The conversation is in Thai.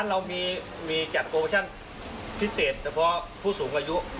ใครเกิน๗๐บาทบ้าง